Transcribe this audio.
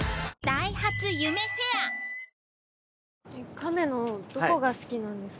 亀のどこが好きなんですか？